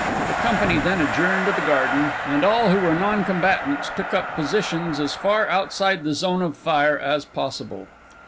The company then adjourned to the garden, and all who were non combatants took up positions as far outside the zone of fire as possible.